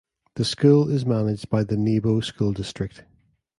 The school is managed by the Nebo School District.